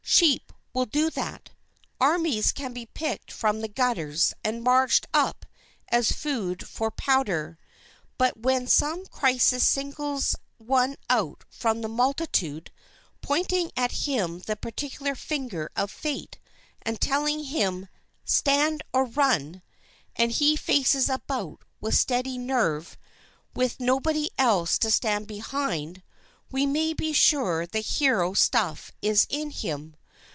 Sheep will do that. Armies can be picked from the gutters, and marched up as food for powder. But when some crisis singles one out from the multitude, pointing at him the particular finger of fate, and telling him, "Stand or run," and he faces about with steady nerve, with nobody else to stand behind, we may be sure the hero stuff is in him.